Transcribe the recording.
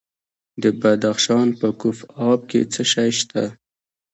د بدخشان په کوف اب کې څه شی شته؟